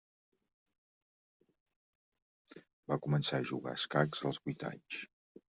Va començar a jugar a escacs als vuits anys.